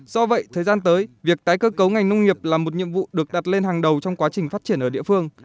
do vậy thời gian tới việc tái cơ cấu ngành nông nghiệp là một nhiệm vụ được đặt lên hàng đầu trong quá trình phát triển ở địa phương